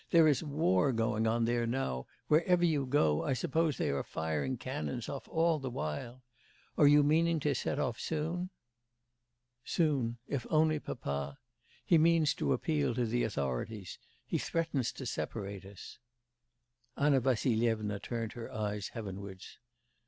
There is war going on there now; wherever you go, I suppose they are firing cannons off all the while... Are you meaning to set off soon?' 'Soon... if only papa. He means to appeal to the authorities; he threatens to separate us.' Anna Vassilyevna turned her eyes heavenwards.